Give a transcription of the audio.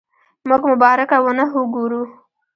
موږ مبارکه ونه وګورو.